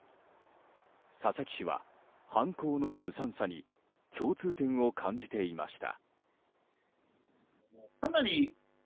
佐々木氏は犯行のずさんさに共通点を感じていました。